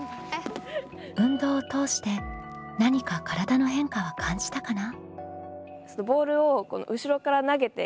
運動を通して何か体の変化は感じたかな？